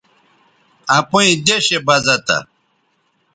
اپئیں دیشےبزہ تھہ